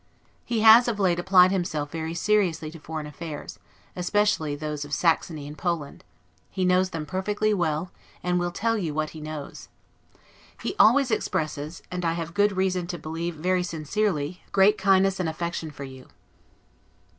He has of late applied himself very seriously to foreign affairs, especially those of Saxony and Poland; he knows them perfectly well, and will tell you what he knows. He always expresses, and I have good reason to believe very sincerely, great kindness and affection for you.